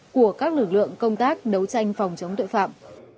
của các lực lượng công tác đấu tranh phòng chống tội phạm